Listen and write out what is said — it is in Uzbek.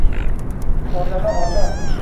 Xoʻrlamoq oson